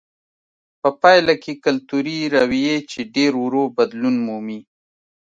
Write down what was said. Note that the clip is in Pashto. په پایله کې کلتوري رویې چې ډېر ورو بدلون مومي.